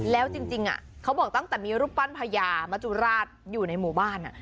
แล้วจริงเขาบอกตั้งแต่มีรูปปั้นพญามจุราชอยู่ในหมู่บ้าน